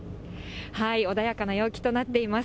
穏やかな陽気となっています。